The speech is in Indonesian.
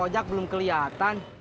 kok si ojak belum kelihatan